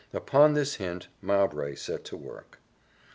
Upon this hint Mowbray set to work.